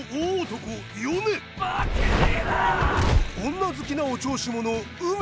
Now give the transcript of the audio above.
女好きのお調子者ウメ。